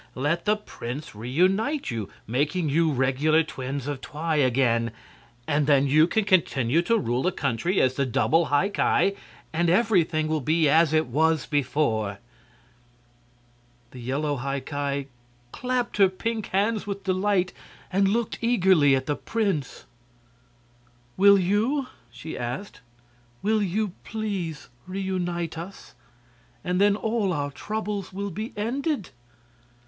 "Let the prince reunite you, making you regular twins of Twi again, and then you can continue to rule the country as the double High Ki, and everything will be as it was before." The yellow High Ki clapped her pink hands with delight and looked eagerly at the prince. "Will you?" she asked. "Will you please reunite us? And then all our troubles will be ended!"